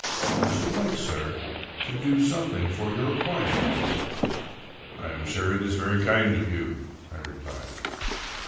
I should like, sir, to do something for your choir." " I am sure it is very kind of you," I replied.